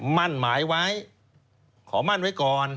มั่นหมายไว้ขอมั่นไว้ก่อน